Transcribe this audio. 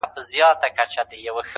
• لا خو زما او د قاضي یوشان رتبه ده,